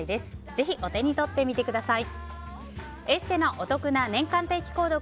ぜひ、お手に取ってみてください。